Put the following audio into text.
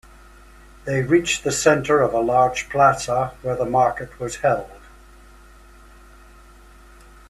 They reached the center of a large plaza where the market was held.